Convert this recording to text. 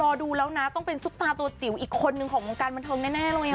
ดูแล้วนะต้องเป็นซุปตาตัวจิ๋วอีกคนนึงของวงการบันเทิงแน่เลย